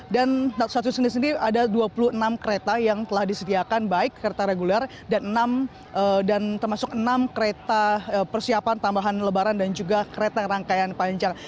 dan satu satu sendiri ada dua puluh enam kereta yang telah disediakan baik kereta reguler dan enam dan termasuk enam kereta persiapan tambahan lebaran dan juga kereta rangkaian panjang